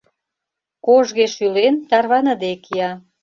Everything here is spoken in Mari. Кожге шӱлен, тарваныде кия.